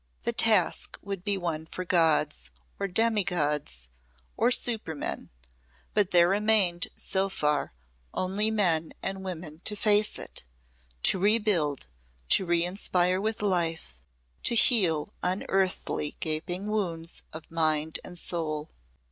The task would be one for gods, or demigods, or supermen but there remained so far only men and women to face it to rebuild, to reinspire with life, to heal unearthly gaping wounds of mind and soul.